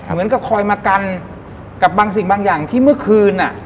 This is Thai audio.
เหมือนกับคอยมากันกับบางสิ่งบางอย่างที่เมื่อคืนอ่ะ